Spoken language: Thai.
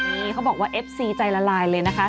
นี่เขาบอกว่าเอฟซีใจละลายเลยนะคะ